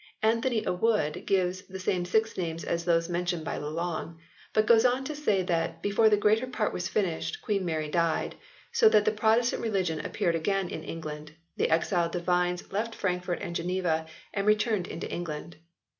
Anthony h Wood gives the same six names as those mentioned by Lelong, but goes on to say that " before the greater part was finished, Queen Mary died. So that the Protestant religion appearing again in England, the exiled divines left Frankfort and Geneva, and returned into England.